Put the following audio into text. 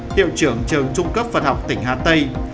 hiệu trưởng trường trung cấp phân học tỉnh hà tây